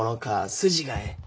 筋がええ。